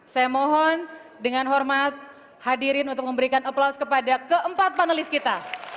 saya mohon dengan hormat hadirin untuk memberikan aplaus kepada keempat panelis kita